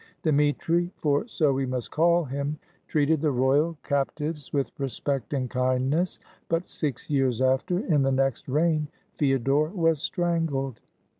Dmitri (for so we must call him) treated the royal cap 68 THE FALSE CZAR tives with respect and kindness; but six years after, in the next reign, Feodor was strangled.